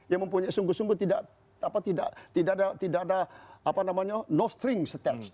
yang mempunyai sungguh sungguh tidak apa tidak ada tidak ada apa namanya no strings attached